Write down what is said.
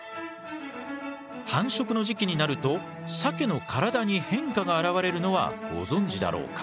繁殖の時期になるとサケの体に変化が現れるのはご存じだろうか。